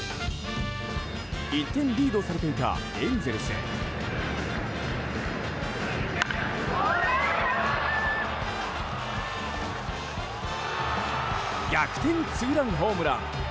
１点リードされていたエンゼルス。逆転ツーランホームラン！